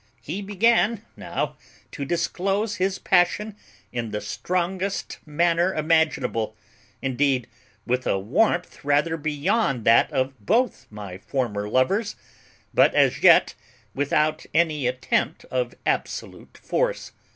He began now to disclose his passion in the strongest manner imaginable, indeed with a warmth rather beyond that of both my former lovers, but as yet without any attempt of absolute force.